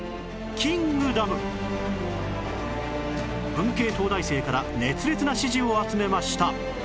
文系東大生から熱烈な支持を集めました